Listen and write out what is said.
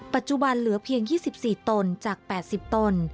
ปัจจุบันเหลือเพียง๒๔ตนจาก๘๐ตน